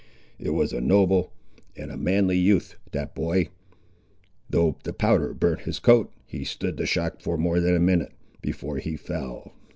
It was a noble and a manly youth, that boy—Though the powder burnt his coat, he stood the shock for more than a minute, before he fell.